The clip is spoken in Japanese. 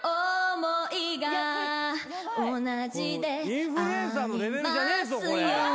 インフルエンサーのレベルじゃねえぞこれ！